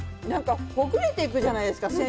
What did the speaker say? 何かほぐれていくじゃないですか